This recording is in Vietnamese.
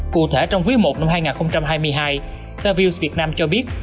cụ thể trong quý i năm hai nghìn hai mươi hai savills việt nam cho biết